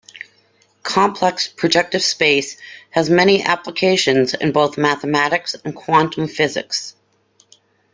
Complex projective space has many applications in both mathematics and quantum physics.